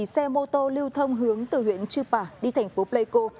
xe mô tô lưu thông hướng từ huyện chư pả đi thành phố pleiko